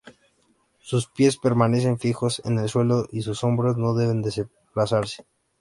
Sus pies permanecen fijos en el suelo y sus hombros no deben desplazarse.